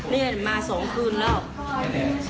นี่มา๒คืนแล้ว